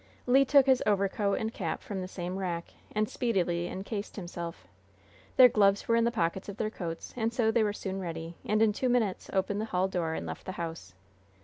Le took his overcoat and cap from the same rack, and speedily incased himself. Their gloves were in the pockets of their coats, and so they were soon ready, and in two minutes opened the hall door and left the house.